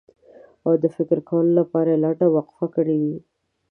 او د فکر کولو لپاره یې لنډه وقفه کړې وي.